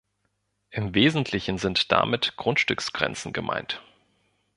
Im Wesentlichen sind damit Grundstücksgrenzen gemeint.